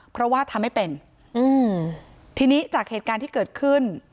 เพราะว่าทำไม่เป็นอืมทีนี้จากเหตุการณ์ที่เกิดขึ้น